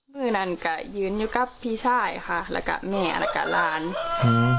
มือนั้นก็ยืนอยู่กับพี่ชายค่ะแล้วก็แม่แล้วก็หลานอืม